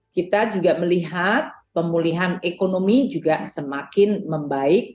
kita juga melihat pemulihan ekonomi juga semakin membaik